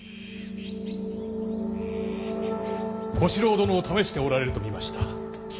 小四郎殿を試しておられると見ました。